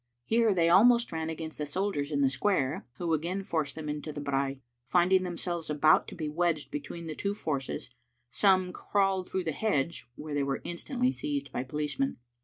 Here they almost ran against the soldiers in the square, who again forced them into the brae. Finding themselves about to be wedged between the two forces, some crawled through the hedge, where they were instantly seized by policemen.